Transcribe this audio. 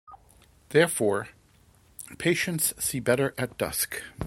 Therefore, patients see better at dusk.